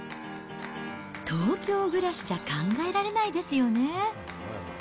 東京暮らしじゃ考えられないですよね。